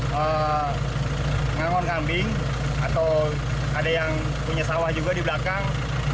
mengangon kambing atau ada yang punya sawah juga di belakang